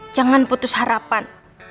jangan putus harapan